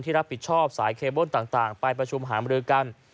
รับผิดชอบสายเคเบิ้ลต่างไปประชุมหามรือกัน